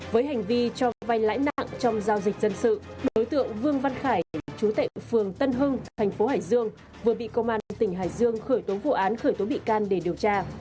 với hành vi cho vai lãi nặng trong giao dịch dân sự đối tượng vương văn khải chú tệ phường tân hưng thành phố hải dương vừa bị công an tỉnh hải dương khởi tố vụ án khởi tố bị can để điều tra